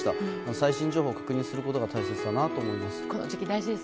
最新情報の確認することが大切かなと思います。